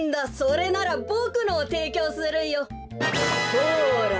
ほら。